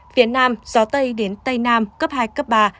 phía nam gió tây đến tây nam cấp hai cấp ba